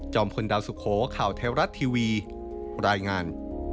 พลดาวสุโขข่าวไทยรัฐทีวีรายงาน